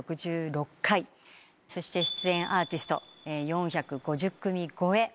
そして出演アーティスト４５０組超え。